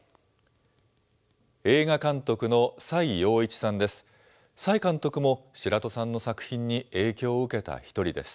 映画監督の崔洋一さんです。